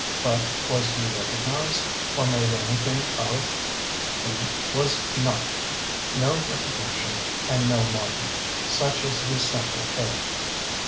But was he recognized? or made anything of? He was — ^not. No recognition and no market. Such is his simple tale.